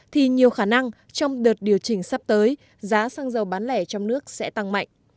thì nhiều khả năng trong đợt điều chỉnh sắp tới giá xăng dầu bán lẻ trong nước sẽ tăng mạnh